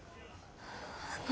あの。